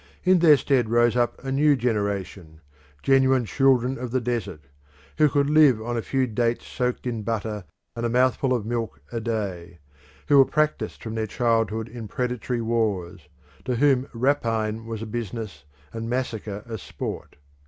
In their stead rose up a new generation genuine children of the desert who could live on a few dates soaked in butter and a mouthful of milk a day; who were practised from their childhood in predatory wars; to whom rapine was a business, and massacre a sport.